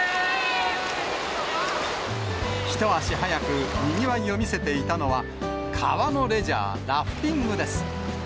一足早くにぎわいを見せていたのは、川のレジャー、ラフティングです。